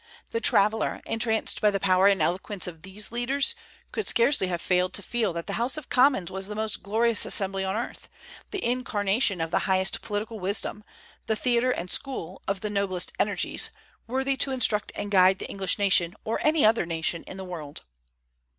The traveller, entranced by the power and eloquence of these leaders, could scarcely have failed to feel that the House of Commons was the most glorious assembly on earth, the incarnation of the highest political wisdom, the theatre and school of the noblest energies, worthy to instruct and guide the English nation, or any other nation in the world.